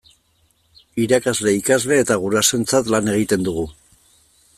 Irakasle, ikasle eta gurasoentzat lan egiten dugu.